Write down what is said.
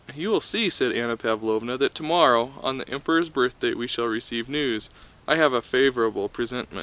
"You will see," said Anna Pávlovna, "that tomorrow, on the Emperor's birthday, we shall receive news. I have a favorable presentime